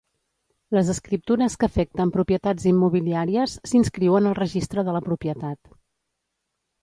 Les escriptures que afecten propietats immobiliàries s'inscriuen al Registre de la Propietat.